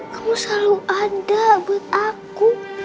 kamu selalu ada buat aku